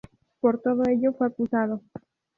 Por todo ello fue acusado.